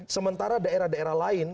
sementara daerah daerah lain